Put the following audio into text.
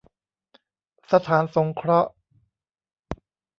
สถานสงเคราะห์